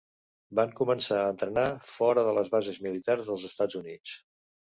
Van començar a entrenar fora de les bases militars dels Estats Units.